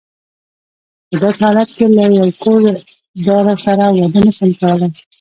په داسې حالت کې له یوه کور داره سره واده نه شم کولای.